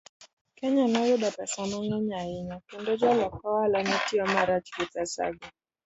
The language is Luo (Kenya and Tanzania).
Kenya noyudo pesa mang'eny ahinya, kendo jolok ohala ne tiyo marach gi pesago.